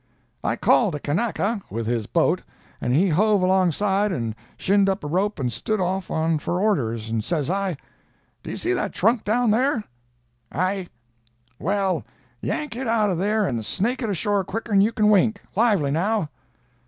"I called a Kanaka, with his boat, and he hove alongside and shinned up a rope and stood off and on for orders, and says I: "'Do you see that trunk down there?' "'Ai.' "'Well, yank it out of there and snake it ashore quicker'n you can wink. Lively, now!'